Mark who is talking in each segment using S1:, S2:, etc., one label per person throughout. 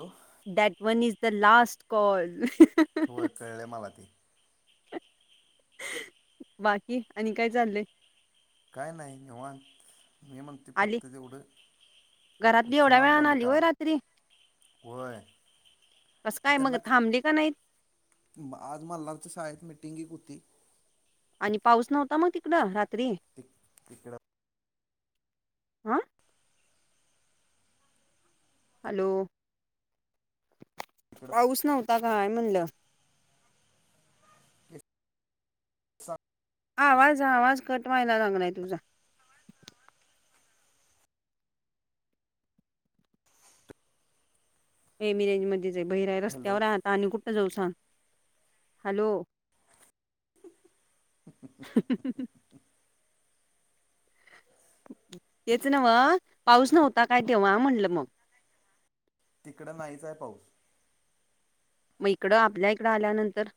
S1: Hello.
S2: That one is the last call.
S1: कळलय मला ते.
S2: बाकी, आणि काय चाललंय?
S1: काय नाय, निवांत ए मंग. ते
S2: आली
S1: फक्त तेवढं,
S2: घरातली एवढ्या
S1: इथेनॉल
S2: वेळानं
S1: बंद
S2: आली होय
S1: करा.
S2: रात्री?
S1: व्हय.
S2: कसं काय मग, थांबली का नाहीत?
S1: म आज मल्हारच्या शाळेत मीटिंग एक होती.
S2: आणि पाऊस नव्हता मग तिकडं रात्री
S1: तिक तिकड.
S2: हा. हॅलो.
S1: तिकडं
S2: पाऊस नव्हता काय म्हणलं? आवाज, आवाज कट व्हायला चांगलाय तुझा. ए मी रेंज मध्येच हाय, बाहिर हाय,
S1: हॅलो
S2: रस्त्यावर हाय आता आणि कुठ जाऊ सांग? हॅलो.
S1: सत [unintelligible]
S2: तेच नव्ह पाऊस नव्हता काय तेव्हा? म्हणलं मग.
S1: तिकडं नाहीच हाय पाऊस.
S2: मग इकडं आपल्या इकडं आल्यानंतर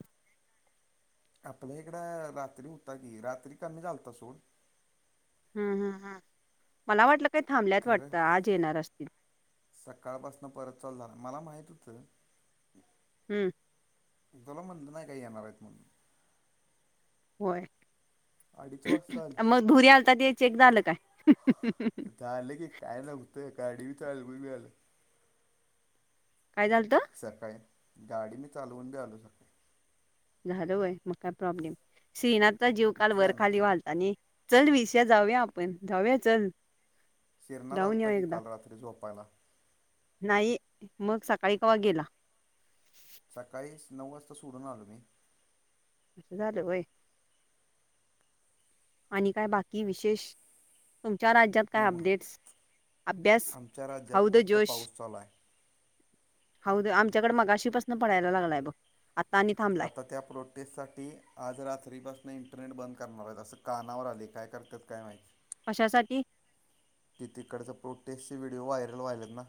S1: आपल्या इकड रात्री होता की, रात्री कमी झालता सोड.
S2: हू हू हू मला वाटलं काय थांबल्यात वाटतं? आज येणार असतील.
S1: सकाळपासन परत चालू झाला. मला माहित होतं.
S2: हुं.
S1: तूला म्हणलं नाही काय येणार आहेत म्हणून?
S2: होय.
S1: अडीच वाजता आली
S2: मग धुरी आलता, ते चेक झालं काय?
S1: झालं की काय नव्हत? गाडी बी चालवून आलो.
S2: काय झालतं?
S1: सकाळी गाडी मी चालवून बी आलो, सकाळी
S2: झाल व्हय म काय प्रॉब्लेम नाही? श्रीनाथचा जीव काल
S1: इथंच
S2: वर
S1: आहे ना
S2: खाली
S1: ती
S2: व्हालता नाई. चल विजया जाऊया आपण, जाऊया चल.
S1: शिरनाथ
S2: जाऊन येऊ
S1: आलता की,
S2: एकदा
S1: काल रात्री झोपायला.
S2: नाही, मग सकाळी कवा गेला.
S1: सकाळी नऊ वाजता सोडून आलो मी.
S2: असं झालं व्हय. आणि काय बाकी विशेष तुमच्या राज्यात काय
S1: निव्हान
S2: अपडेट्स? अभ्यास
S1: आमच्या राज्यात
S2: हाऊ द
S1: फक्त
S2: जोश.
S1: पाऊस चालू आहे
S2: हा ऊ द आमच्याकडे मगाशीपासून पडायला लागलाय बघ. आता आणि थांबलाय
S1: आता त्या प्लॉट त्यासाठी आज रात्रीपासून इंटरनेट बंद करणार आहे असं कानावर आले काय करतात काय माहिती
S2: अशासाठी
S1: ती तिकडचं प्रोटेस्टचे व्हिडिओ व्हायरल वहिलेत ना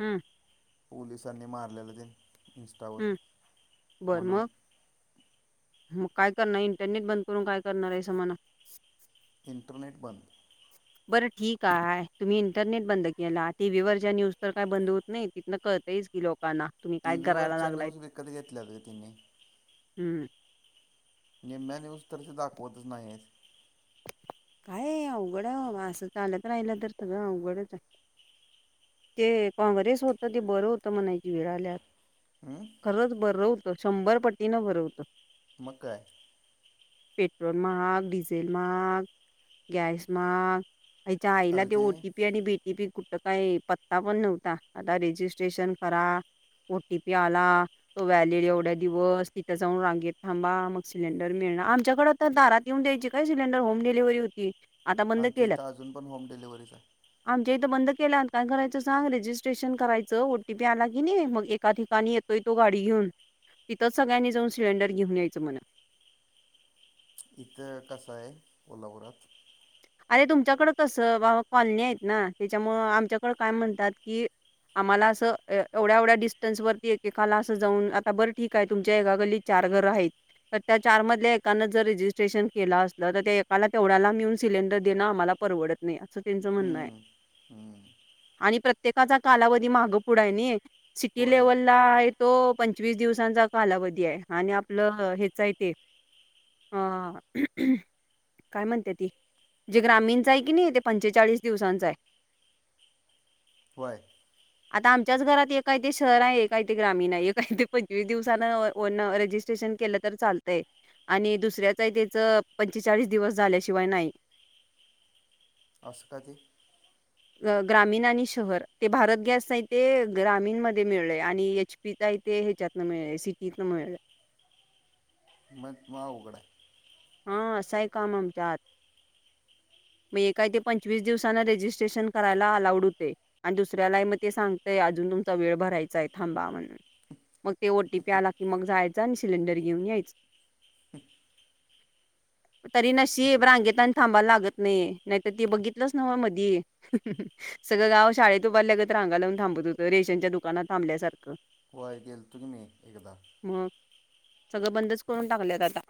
S2: हां
S1: पोलिसांनी मारलेलं ते इं्स्टावर
S2: हम्म बर
S1: म्हणून.
S2: मग मग काय करणार इंटरनेट बंद करून काय करणार आहे स मना
S1: इंटरनेट बंद
S2: बरं ठीक आहे आहेय तुम्ही इंटरनेट बंद केला टी व्हीवर ज्या न्यूज तर काही बंद होत नाही तिथनं कळताच की लोक
S1: टीव्ही वरच्या न्यूज विकत घेतल्यात ग तिनी
S2: हम्
S1: नाही मॅ नाही उस तरसे दाखवतच नाही आहेत
S2: काय अवघड आहे असं चालत राहिलं तर सगं अवघडच आहे ते काँग्रेस होतं ते बरं होतं म्हणायची विळा आल्यात.
S1: हमम
S2: खरंच बरवतं शंभर पटीनं बरवतं
S1: मकाै
S2: पेट्रोल मग डिझेल मग गॅस मग हच्या आईला ते ओटीपी आणि बीटीपी कुठं काय प ता पण नव्हता आता रेजिस्ट्रेशन करा ओटी पी आला तो व्यालेल एवढ्या दिवस तिथं जाऊन रांगेत थांबा मग सिलेंडर मिळणार आमच्याकड दारात येऊन दयची काय सिलेंडर होम डिव्ही होती आता बंद
S1: आमच्या
S2: केलं
S1: इथं अजून पण होम डिलेव्हरीच आहे
S2: आमच्या इथं बंद केल्या काय करायचं सांग रजिस्ट्रेशन करायच ओटीपी आला की नाही मग एका ठिकाणी येतोय तो गाडी घेऊन तिथच सगळ्यांनी जाऊ सिलेंर घेऊन यायचं म्हणा
S1: इथं कसं आहे कोल्हापुरात
S2: अरे तुमच्याकडं कसं बाबा कॉलनी आहेत ना त्याच्यामु आमच्याकड काय म्हणतात की आम्हाला असं एवढ्या एवढ्या डिस्टन्स वरती एककाला असं जाऊन आता बरं ठीक आहे तुमच्या एका गल्ली त्या च ए के ए सिलेंडर देणं आम्हाला परवडत नाही असं त्यांचं म्हणणं आहे
S1: हम्म, हम्म
S2: आणि प्रत्येकाचा कालावधी माहागं पुढा आहे नाही सिटी
S1: होय
S2: लेव्हलला आहे तो पंचवीस दिवसांचा कालावधी आहे आणि आपलं हेच आहे ते काय म्हणते ती जे ग्रामीणचं आहे की नाही ते पंचेचाळीस दिवसांचं आहे
S1: वय
S2: [inaudible] आता आमच्याच घरात एय ते शहर आहे ए काय ते ग्रामीण आहे ए काही ते पंचवीस दिवसान ओ रजिस्ट्रेशन केलं तर चालतंय आणि दुसऱ्याचही त्याच पंचेचाळीस दिवस झाल्याशिवाय नाही
S1: असशं कध
S2: ग्रामीण आणि शहर ते भारत गॅस नाही ते ग्रामीणमध्ये मिळ आणिच पिता इथ ते ह्याच्यातन मिळे सिटीत न मिळे
S1: म मा उघडं
S2: हा सही काममच्याात मग ए काही ते पंचवीस दिवसांना रेजिस्ट्रेशन करायला अलाउड होते आणि दुसऱ्याला मग ते सांगतय अजून तुमचा वेळ भरायचाय थांबा म्हणून मग ते ओटीपी आला की मग जायचं आणि सिलेंडर घेऊन यायचं तरी नशी रांगेत आणि थांबायला लागत नाही नाहीतर ती बघितलंच नव मधी. सगळं गाव शाळेत उभारल्या गं रांा लावून थांबत होतं रेशनच्या दुकानात थांबल्यासारं
S1: वय गेल तुम् मही एकदा
S2: मग सगळं बंदच करून टाकलेत आता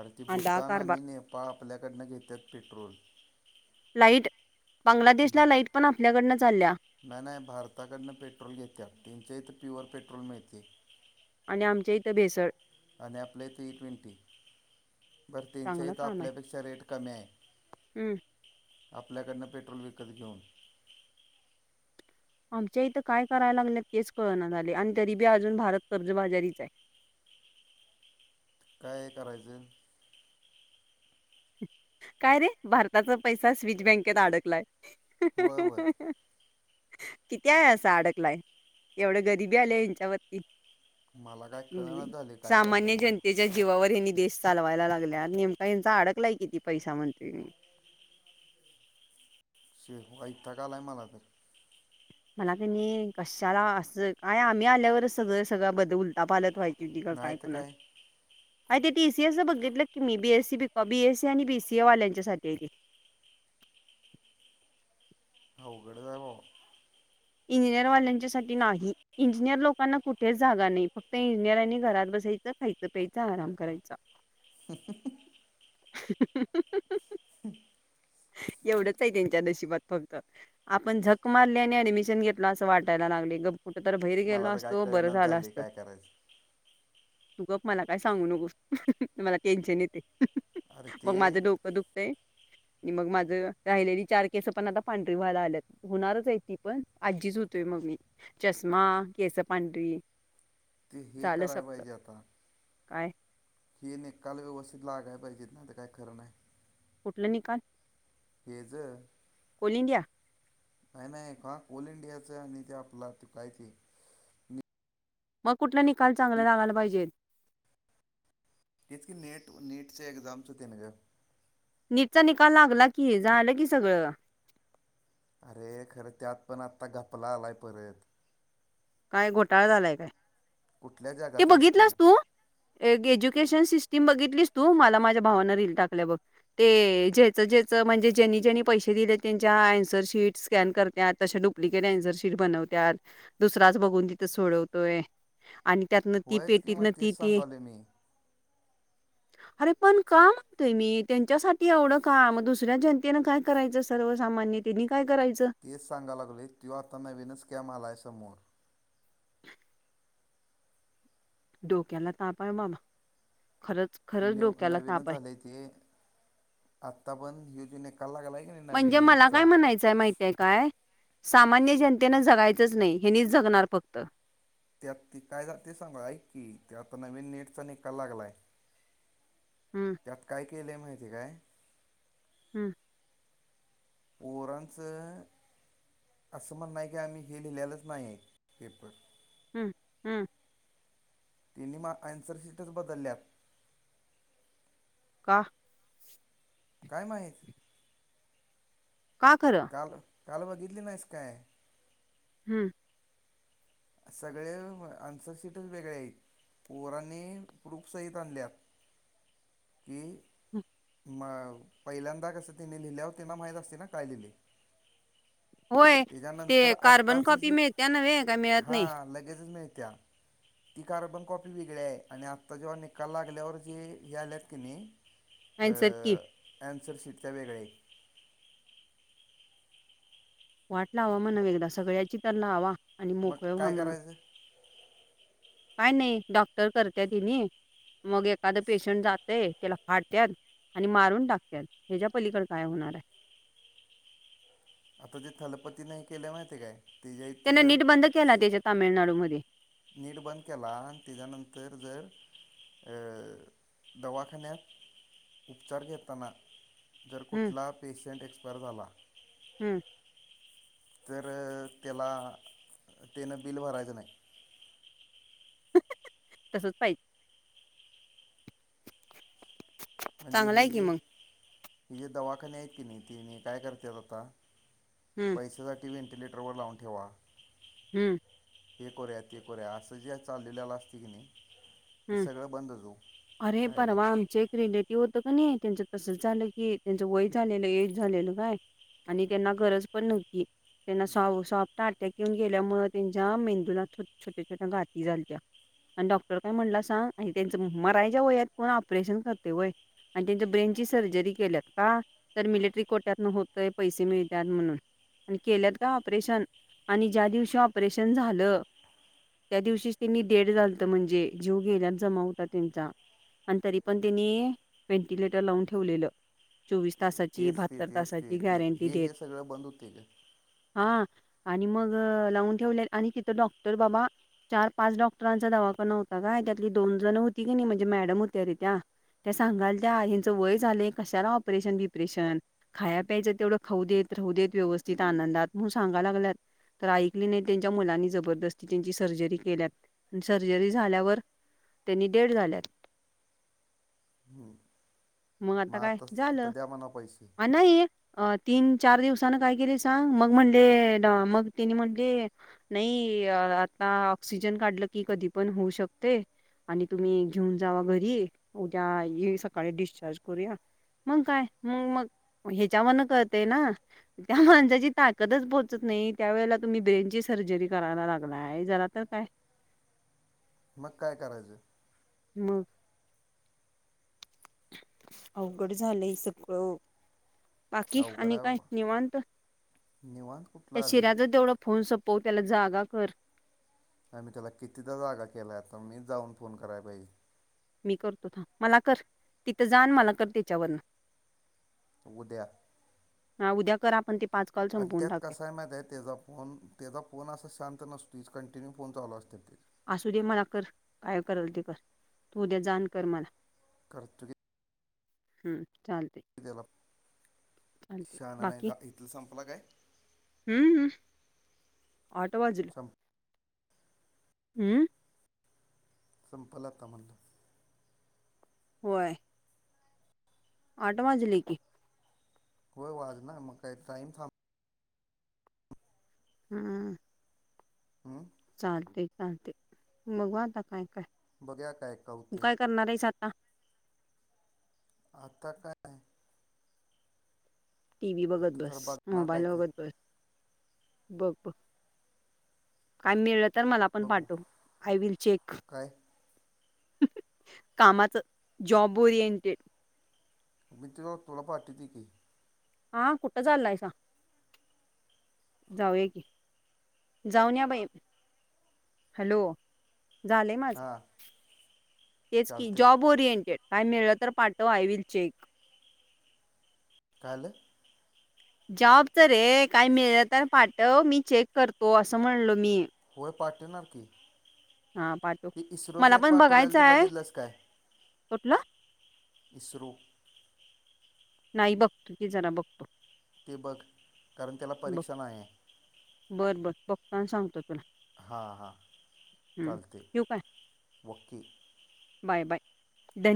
S1: अर ती
S2: आंधळा
S1: भूतान
S2: कारभार
S1: आणि नेपाळ आपल्याकडनं घेतात पेट्रोल
S2: लाईट
S1: भा
S2: बांगलादेशला लाईट पण आपल्याकडनं चालल्या
S1: नाही नाही भारताकडनं पेट्रोल घेते तींच्या इथं प्युअर पेट्रोल मिळते
S2: आणि आमच्या इथं भेसळ
S1: आणि आपलं इथ ई ट्वेंटी बरं तीनच्याही
S2: चांगलं
S1: तरं
S2: काम आहे
S1: आपल्यापेक्षा रेट कमी आहे
S2: हम्म
S1: आपल्याकडनं पेट्रोल विकत घेऊन
S2: आमच्या इथं काय करायला लागल्यात तेच कळण्यात आले आणि तरी बी अजून भारत कर्जबाजारीच आहे
S1: काय करायचं
S2: काय रे भारताचा पैसा स्विच बँकेत अडकलाय
S1: होय होय
S2: किती आहे असं अडकलाय एवढं गरीिबी आले हच्यावरती
S1: मला काय कळण झाली काय करलेल
S2: च्या जीवावर यांनी देश चालवायला लागल्या नेमका यांचा अडकलाय किती पैसा मंत्रिनी
S1: से हो अई ठााला आहे मला तर
S2: मला क नाही कशाला असं काय आम्ही आल्यावरच सगळं सगळं बदल उलता पालत व्हाय दीग
S1: नाही
S2: काय
S1: तर
S2: कोण अस ते टीसीएसच बघितलं की मी बीएसी ब बीएसी आणि बीसीए वाल्यांच्यासाठी आहे
S1: ह उघड जा ब
S2: इंजिनिअरवाल्यांच्या सा नाही इंजिनिअर लोकांना कुठेच जागा नाही फक्त इंजिनिअरांनी घरात बसायच खायचं प्यायं आराम करायचा
S1: ह
S2: ह
S1: [unintelligible]
S2: एवढंच आहे त्यांच्या नशिबात फक्त आपण झक मारली आणि ऍडमिशन घेतला असं वाटायला लागले ग् कुठ तर बहीर गेला
S1: मला तर काय
S2: असतो बरं
S1: कळनाच
S2: झालं
S1: झाले
S2: असत
S1: काय करायचं
S2: तू ग मला काय सांगू नकोस मला टेन्शन येते
S1: अरे
S2: मग माझं
S1: ते
S2: डोकं दुखतं आणि मग माझं राहिलेली चार केसं पण आता पांढरी व्हायला आल्यात होणारच आहे ती पण आजीच होतोय मग मी चष्मा केस पांडरी
S1: ते हे
S2: झालं
S1: करायला
S2: सगत
S1: पाहिजे आता
S2: काय
S1: हे निकाल व्यवस्थित लागय पाहिजित ना ते काही खरं नाही
S2: कुठला निकाल
S1: हे ज
S2: कोल इंडिया
S1: काही नाही का ऑल इंडियाचं आणि तेे आपला चुकायचे
S2: मग कुठला निकाल चांगला लागायला पाहिजे
S1: तेच की ते नीट च एकझाम च टेन जी
S2: नीटचा निकाल लागला की हे झालं की सगळं
S1: अरे खरं त्यात पण आत्ता घपला आलाय परत
S2: काय घोटाळा झालाय काय
S1: कुठल्या
S2: ते
S1: जगात आहेस
S2: बघितलंस तू एज्युकेशन सिस्टीम बघितलीस तू मला माझ्या भावाना रईल टाकल्या बघ ते जेच जेचं म्हणजे ज्यांनी ज्यांनी पैसे दिले त्यांच्या अनसर शीट स्कॅन करत त आपिकट अन्सर शीट बनवत दुसराच बघून तिथं सोडवतोय आणि त्यातन ती
S1: होयच किंवा
S2: पेटीतन ती
S1: तेच
S2: ती
S1: सांगाले मी
S2: अरे पण का म्हते मी त्यांच्यासाठी एवढं काम दुसऱ्या जनतेनं काय काय करायचं सर्वसामान्य त्यांनी काय करायचं
S1: तेच सांगाय लागले तो आता नवीनच कॅम आला आहे समोर
S2: [unintelligible] डोक्याला ताप आहे बाबा खरंच खरंच
S1: नव
S2: डोक्याला ताप
S1: नवीनच
S2: आहे
S1: आलेय ते आत्ता पण हु जी नकाला लागलाय की नाही
S2: म्हणजे
S1: नवीन
S2: मला काय
S1: नीटचा
S2: म्हणायचं माहि काय सामान्य जनतेन जगायचंच नाही हे जगणार फक्त
S1: त्यात त काय जाते सांगू ऐकी, ते आता नवीन नीटचा निकाल लागलाय.
S2: हम.
S1: त्यात काय केलं आहे माहिती काय?
S2: हम्म.
S1: पोरांचं असं म्हणणं की, आम्ही हे लिहिलेलंच नाही आहे. पेपर
S2: हम्म हम्म.
S1: तिन्ही माप आन्सर सीटच बदलल्यात.
S2: का?
S1: काय माहीत.
S2: का खरं?
S1: काल काल बघितली नाहीस काय?
S2: हम्म.
S1: सगळे आन्सरशीटच वेगळे आहेत. पोरांनी प्रुप सहित आणल्यात की,
S2: हम.
S1: मग पहिल्यांदा कसं तिने लिहिल्यावर तेना माहीत असतंय ना काय लिहिलंय.
S2: होय. ते कार्बन कॉपी मिळत्या नव्हे. का मिळत नाही?
S1: हा, लगेजच मिळत्या. ती कार्बन कॉपी वेगळी आहे, आणि आत्ता जेव्हा निकाल लागल्यावर जे हे आलेत कणी. अ..
S2: "ऐनसर की,
S1: अन्सरशीटच्या वेगळ्या येत.
S2: वाट लावा म्हणावं, एकदा सगळ्याची तर लावा. आणि
S1: मग
S2: मोकळं व्हा
S1: काय
S2: म्हणावं."
S1: करायचं?
S2: काय नाही डॉक्टर करत्यात हिनी, मग एखादं पेशंट जातंय त्याला फाडत्यात. आणि मारून टाकत्यात, ह्याच्या पलीकडे काय होणार आहे.
S1: आता ते थलपतीन हे केलंय माहिती काय? त्याच्या इथं
S2: त्यांन
S1: जर
S2: नीट बंद केला, त्याच्या तामिळनाडूमध्ये.
S1: नीट बंद केला. त्याच्यानंतर जर, दवाखान्यात उपचार घेेताना. जर
S2: हं,
S1: कुठला पेशंट एक्सपायर झाला.
S2: हम्म.
S1: तर त्याला, त्यानं बिल भरायचं नाही.
S2: तसच पाहिजे.
S1: म्हणजे
S2: चांगलं
S1: ही
S2: आहे की
S1: जे,
S2: मग.
S1: हि जे दवाखाने आहेत कनी, तीनी काय करत्यात आता.
S2: हं,
S1: पैसासाठी व्हेंटिलेटरवर लावून ठेवा.
S2: हम्म.
S1: हे करूया ते करूया असं, जे चालवलेल असतंय कणी. ते
S2: हं.
S1: सगळं बंदच ओ डायरेक्ट.
S2: तिचेही फ्रेंड आहेत. ते होतं कणी त्यांचं तसंच झालं की, त्यांचं वय झालेलं एज झालेलं काय? आणि त्यांना गरज पण नव्हती. त्यांना सॉफ्ट सॉफ्ट अटॅक येऊन गेल्यामुळ, त्यांच्या मेंदूला छोट्या छोट्या गाठी झालत्या. आणि डॉक्टर काय म्हणला सांग, आणि त्यांच मरायच्या वयात कोण ऑपरेशन करते व्हयं. आणि त्यांच्या ब्रेन ची सर्जरी केल्यात का? तर मिलिट्री कोट्यातन होतंय, पैसे मिळत्यात म्हणून. आणि केल्यात काय ऑपरेशन, आणि ज्या दिवशी ऑपरेशन झालं. त्या दिवशीच त्यांनी डेड झालत, म्हणजे जीव गेल्यास जमा होता त्यांचा. आणि तरी पण त्यांनी व्हेंटिलेटर लावून ठेवलेलं. चोवीस तासाची
S1: तेच ते
S2: बहात्तर
S1: तेच ते
S2: तासाची
S1: ते
S2: गॅरंटी
S1: हे हे
S2: देत.
S1: सगळं बंद होते का
S2: आ.. आणि मग लावून ठेवले, आणि तिथं डॉक्टर बाबा. चार पाच डॉक्टरांचा दवाखना होता काय, त्यातली दोन जण होती कणी म्हणजे मॅडम होत्या रे त्या. त्या सांगाल त्या ह्याच वय झाले, कशाला ऑपरेशन बिपरेशन. खाय प्यायला तेवढं खाऊ देत राहू देत व्यवस्थित आनंदात म्हणून सांगा लागल्यात. तर ऐकली नाही त्यांच्या मुलांनी जबरदस्ती त्यांची सर्जरी केल्यात अन सर्जरी झाल्यावर त्यांनी डेड झाल्यात.
S1: हम्म
S2: मग आता काय झालं
S1: म्हणा पैसे
S2: अ नाही. अ तीन चार दिवसान काय केले सांग मग म्हणले ड मग त्यानी म्हणले. नाही आता ऑक्सिजन काढलं की कधी पण होऊ शकते. आणि तुम्ही घेऊन जावा घरी उद्या ये सकाळी डिस्चार्ज करूया. मग काय मग मग ह्याच्या वरण कळतेय ना. त्या माणसाची ताकदच पोहोचत नाही त्यावेेळेला तुम्ही ब्रेनची सर्जरी करायला लागलाय जरा तर काय
S1: मग काय करायचं?
S2: मग अवघड झालंय सगळं. बाकी
S1: अवघड
S2: आणि
S1: आहे
S2: काय
S1: बाबा
S2: निवांत
S1: निवांत
S2: त्या
S1: कुठला आले
S2: शिऱ्याचं तेवढं फोन सपव त्याला जागा कर.
S1: नाही मी त्याला कितीदा जागा केलाय त मी जाऊन फोन कराय पाहिजे
S2: मी करतो थांब मला कर तिथं जान अन मला कर त्याच्यावर.
S1: उद्या
S2: हा उद्या कर आपण ते पाच कॉल
S1: अन
S2: संपवून
S1: त्यात
S2: टाकूया
S1: कसय माहित्या आहे तेचा फोन त्याचा फोन असं शांत नसतोच कंटिन्यू फोन चालू असत्यात त्याचे.
S2: असू दे मला कर काय करल ते कर तू उद्या जा अन कर मला
S1: करतो की
S2: हम्म चालते.
S1: देला
S2: चालते बाकी
S1: काय
S2: हम्म हम आठ वाजलं
S1: संप
S2: हम्म
S1: संपल आता म्हणलं
S2: होय आठ वाजले की
S1: हो वाजनार मग काय टाईम थांब
S2: हम्म
S1: हमम
S2: चालते चालते बघु आता काय
S1: बघूया काय का
S2: तु
S1: होते
S2: काय करणार आहेस आता
S1: आता काय
S2: टी व्ही बघत
S1: आता जरा
S2: बस
S1: बघणार काय
S2: मोबाईल
S1: तर
S2: बघत बस ब काय मिळत तर मला आपण
S1: बघू
S2: पाठव आय विल चेक
S1: काय
S2: कामाच जॉब ओरिएंटेड
S1: मी तुला तु पार्टी दे की
S2: हा कुठं चाललायसा जाऊया की जाऊनया बाई हॅलो झालंय माझ
S1: हां
S2: तेच कि
S1: चालते
S2: जॉब रिंटेड काय मिळलं तर पाठव आय विल चेक
S1: काल
S2: जाँबच रे काय मिळलं तर पाठव मी चेक करतो असं म्हणलो मी
S1: हो पाठीवनार की
S2: हा पाठव
S1: ते इस्रोचं
S2: मला
S1: एक
S2: पण
S1: पाठवलेल
S2: बघायचं
S1: ते
S2: आहे
S1: बघितलंस काय
S2: कुठलं
S1: इस्रो
S2: नाही बघतो. की जरा बघतो
S1: ते बघ कारण त्याला परीक्षा नाहीयाय
S2: बरं बरं बघतो आणि सांगतो तुला
S1: हां हां
S2: हम्म
S1: चालतंय.
S2: ठेवू काय
S1: okay
S2: bye bye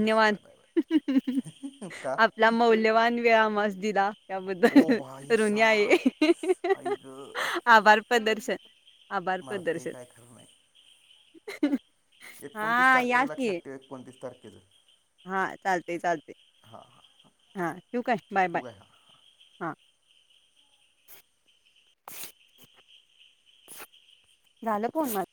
S1: yes bye bye
S2: हं हहहह
S1: बाय का
S2: अप पला मौल्यवान वेळ आम्हास दिला
S1: ओ
S2: त्याबद्दल
S1: भाई
S2: ऋनी आहे.
S1: [inaudible] आई गं!
S2: आभार प्रदर्शन, आभार
S1: मारते
S2: प्रदर्शन
S1: काय खरं नाही
S2: हंहह
S1: एकोणतीस तारखेचं लक्षात ठेव एकोणतीस तारखेचं
S2: हा, चालतंय चालतंय
S1: हा हा हां
S2: हां ठेवू काय? बाय बाय
S1: ठीक आहे हां
S2: हां [unintelligible] झालं फोन वर